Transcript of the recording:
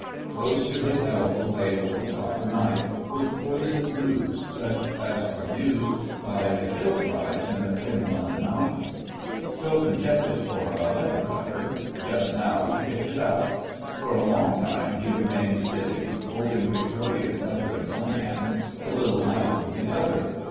Close to his elbow lay a little copper knife with poison grooves, such as are used by the Hill tribes in the Kuen Lun mountains. Toppan kept it for a paper cutter; just now he picked it up. For a long time he remained sitting, holding Victoria's letter in one hand, the little knife in the other.